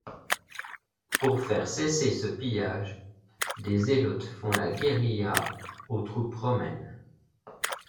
Pour faire cesser ce pillage, des zélotes font la guerilla aux troupes romaines.